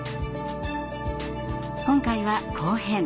今回は後編。